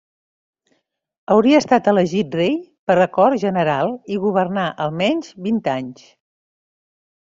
Hauria estat elegit rei per acord general i governà almenys vint anys.